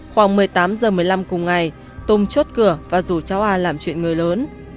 khoảng một mươi tám h một mươi năm cùng ngày tùng chốt cửa và rủ cháu a làm chuyện người lớn